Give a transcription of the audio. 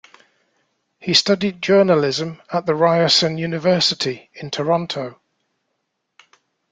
He studied journalism at Ryerson University in Toronto.